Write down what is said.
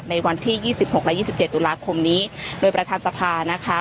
ในวันที่ยี่สิบหกและยี่สิบเจ็ดตุลาคมนี้โดยประทานสภานะคะ